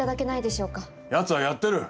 やつはやってる。